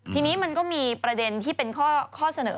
ทีนี้มันก็มีประเด็นที่เป็นข้อเสนอ